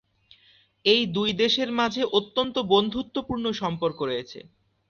এই দুই দেশের মাঝে অত্যন্ত বন্ধুত্বপূর্ণ সম্পর্ক রয়েছে।